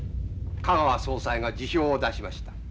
香川総裁が辞表を出しました。